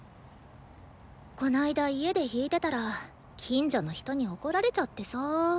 この間家で弾いてたら近所の人に怒られちゃってさ。